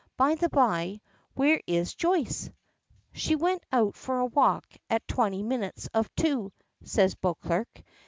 By the by, where is Joyce?" "She went out for a walk at twenty minutes after two," says Beauclerk.